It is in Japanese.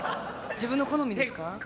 自分の好みですか？